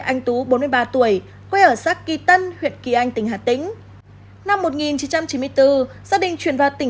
anh tú bốn mươi ba tuổi quê ở xã kỳ tân huyện kỳ anh tỉnh hà tĩnh năm một nghìn chín trăm chín mươi bốn gia đình chuyển vào tỉnh